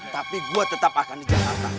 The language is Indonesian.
tapi gue tetap akan di jakarta